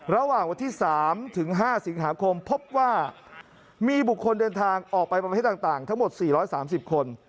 ระหว่างวันที่๓ถึง๕สิงหาคมพบว่ามีบุคคลเดินทางออกไปประเทศต่างทั้งหมด๔๓๐คน